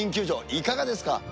いかがですか。